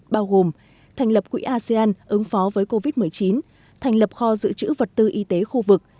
bao gồm thành lập quỹ asean ứng phó với covid một mươi chín thành lập kho dự trữ vật tư y tế khu vực